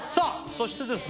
そしてですね